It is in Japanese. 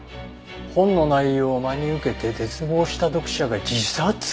「本の内容を真に受けて絶望した読者が自殺」！？